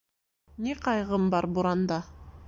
Ни ҡайғым бар буранда?